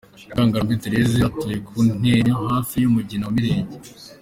Mukangarambe Therese, atuye ku Ntenyo hafi y’umugina wa Mirenge.